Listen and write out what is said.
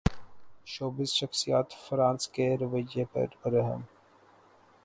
showbiz شخصیات France کے رویے پر برہم